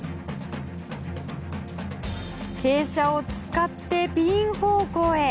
傾斜を使ってピン方向へ。